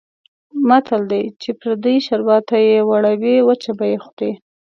متل دی: چې پردۍ شوروا ته یې وړوې وچه به یې خورې.